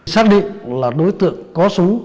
xác định là đối tượng có súng